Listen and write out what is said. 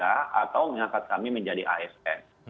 atau mengangkat kami menjadi asn